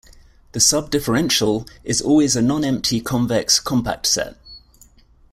The subdifferential is always a nonempty convex compact set.